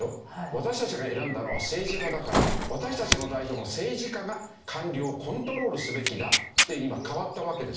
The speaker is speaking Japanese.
私たちが選んだのは政治家だから私たちの代表の政治家が官僚をコントロールすべきだって今変わったわけですよね。